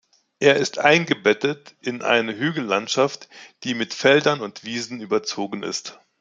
Er ist eingebettet in eine Hügellandschaft, die mit Feldern und Wiesen überzogen ist.